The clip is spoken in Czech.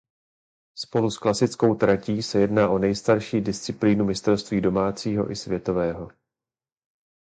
Spolu s klasickou tratí se jedná o nejstarší disciplínu mistrovství domácího i světového.